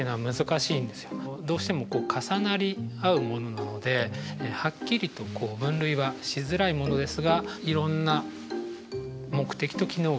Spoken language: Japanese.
どうしてもこう重なり合うものなのではっきりと分類はしづらいものですがいろんな目的と機能があるということですね。